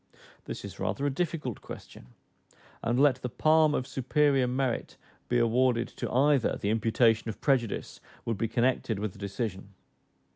This is rather a difficult question; and let the palm of superior merit be awarded to either, the imputation of prejudice would be connected with the decision.